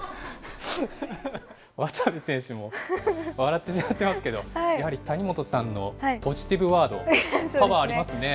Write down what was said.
渡部選手も笑ってしまってますけど、やはり、谷本さんのポジティブワード、パワーありますね。